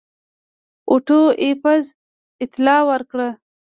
اوټو ایفز اطلاع ورکړه.